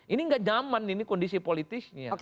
ini gak zaman ini kondisi politiknya